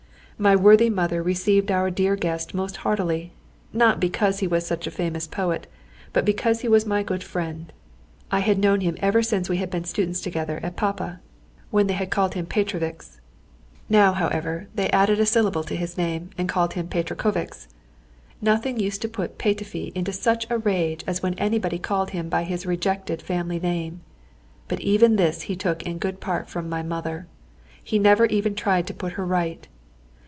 My worthy mother received our dear guest most heartily, not because he was such a famous poet, but because he was my good friend. I had known him ever since we had been students together at Pápá, when they had called him "Petrovics." Now, however, they added a syllable to his name, and called him "Petrekovics." Nothing used to put Petöfi into such a rage as when anybody called him by his rejected family name. But even this he took in good part from my mother. He never even tried to put her right.